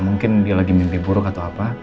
mungkin dia lagi mimpi buruk atau apa